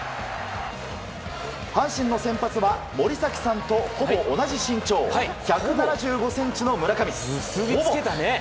阪神の先発は森崎さんとほぼ同じ身長１７５ｃｍの村上。